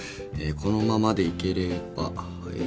このままでいければえ。